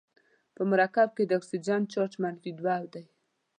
په مرکب کې د اکسیجن چارج منفي دوه دی.